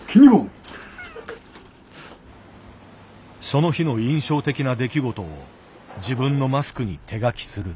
その日の印象的な出来事を自分のマスクに手描きする。